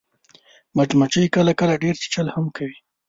مچمچۍ کله کله ډېر چیچل هم کوي